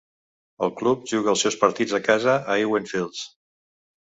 El club juga els seus partits a casa a Ewen Fields.